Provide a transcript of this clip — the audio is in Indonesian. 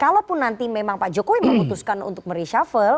dan kalau pun nanti memang pak jokowi memutuskan untuk meresafal